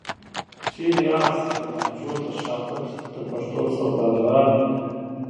چيري یاست د لهجو تر شا پټ د پښتو سوداګرانو؟